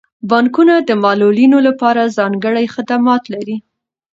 بانکونه د معلولینو لپاره ځانګړي خدمات لري.